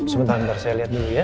sebentar saya lihat dulu ya